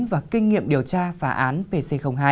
và kinh nghiệm điều tra phá án pc hai